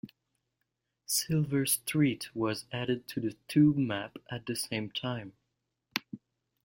Silver Street was added to the Tube map at the same time.